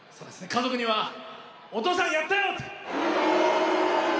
家族には「お父さんやったよ！」。